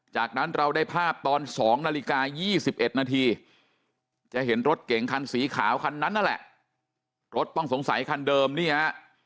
จากนั้นเราได้ภาพตอน๒นาฬิกา๒๑นาทีจะเห็นรถเก่งคันสีขาวคันนั้นนั่นแหละ